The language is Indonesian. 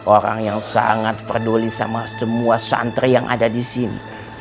orang yang sangat peduli sama semua santri yang ada di sini